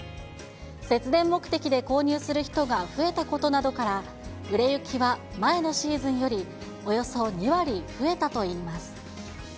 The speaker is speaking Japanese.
節電目的で購入する人が増えたことなどから、売れ行きは前のシーズンよりおよそ２割増えたといいます。